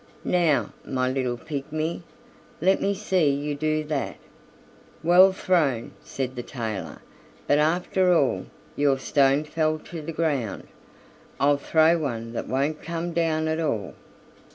"Now, my little pigmy, let me see you do that." "Well thrown," said the tailor; "but, after all, your stone fell to the ground; I'll throw one that won't come down at all."